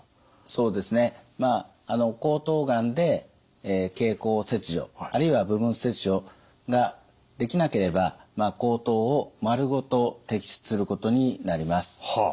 そうですねまああの喉頭がんで経口切除あるいは部分切除ができなければ喉頭を丸ごと摘出することになります。